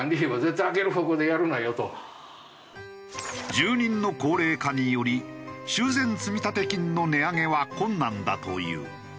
住人の高齢化により修繕積立金の値上げは困難だという。